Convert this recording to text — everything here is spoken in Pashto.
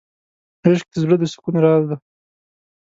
عشق د زړه د سکون راز دی.